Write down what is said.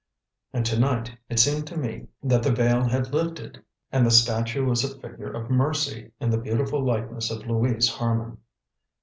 And to night it seemed to me that the veil had lifted, and the statue was a figure of Mercy in the beautiful likeness of Louise Harman.